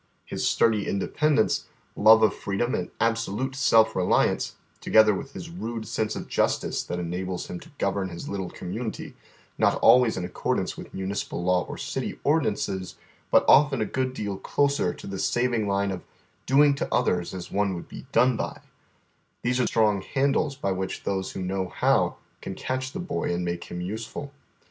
His sturdy independence, love of freedom and absolute self reliance, together with his rude sense of justice that enables him to govern his little community, not always in accordance with municipal law or city ordinances, but often a good deal closer to the saving line of " doing to others as one would be done by "— these are strong handles by which those who know how can catch the boy and make him useful.